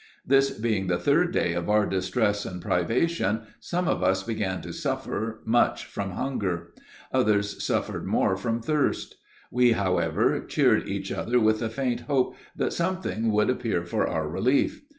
This being the third day of our distress and privation, some of us began to suffer much from hunger. Others suffered more from thirst. We, however, cheered each other with the faint hope that some thing would appear for our relief.